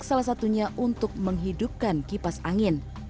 salah satunya untuk menghidupkan kipas angin